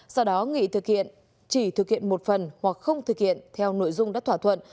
sau đó nghị thực hiện chỉ thực hiện một phần hoặc không thực hiện theo nội dung đất thỏa thuận